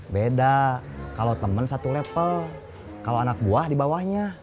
beda kalau temen satu level kalau anak buah di bawahnya